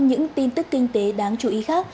những tin tức kinh tế đáng chú ý khác